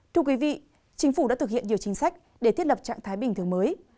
thưa quý vị chính phủ đã thực hiện nhiều chính sách để thiết lập trạng thái bình thường mới